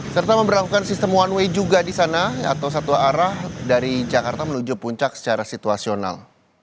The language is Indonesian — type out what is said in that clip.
serta memperlakukan sistem one way juga di sana atau satu arah dari jakarta menuju puncak secara situasional